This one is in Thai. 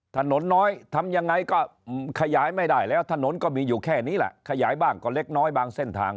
ถนนน้อยทำยังไงก็ขยายไม่ได้แล้วถนนก็มีอยู่แค่นี้แหละขยายบ้างก็เล็กน้อยบางเส้นทาง